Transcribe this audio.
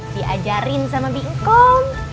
diajarin sama bingkom